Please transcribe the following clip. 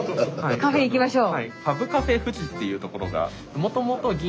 カフェ行きましょう。